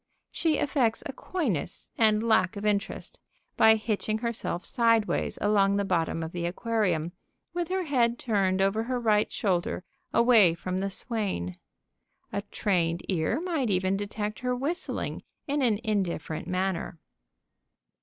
She affects a coyness and lack of interest, by hitching herself sideways along the bottom of the aquarium, with her head turned over her right shoulder away from the swain. A trained ear might even detect her whistling in an indifferent manner.